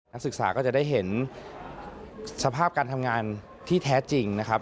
นักศึกษาก็จะได้เห็นสภาพการทำงานที่แท้จริงนะครับ